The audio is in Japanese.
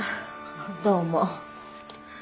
どうも。